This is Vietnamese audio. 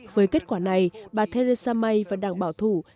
với kết quả này bà theresa may và đảng bảo thủ sẽ đứng trên đường